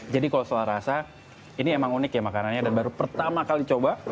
jadi kalau soal rasa ini emang unik ya makanannya dan baru pertama kali coba